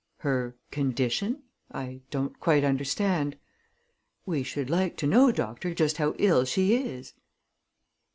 "Her condition? I don't quite understand." "We should like to know, doctor, just how ill she is."